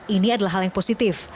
ini adalah hal yang positif